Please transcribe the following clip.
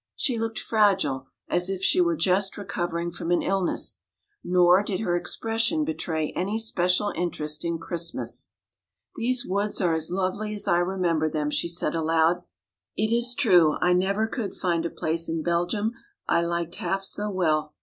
She looked fragile, as if she were just recovering from an illness, nor did her expression betray any special interest in Christmas. "These woods are as lovely as I remember them," she said aloud. "It is true, I never could find a place in Belgium I liked half so well."